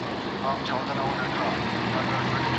ښوروا بې ډوډۍ نه خوړل کېږي.